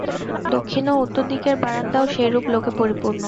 দক্ষিণ ও উত্তর দিকের বারান্দাও সেইরূপ লোকে পরিপূর্ণ।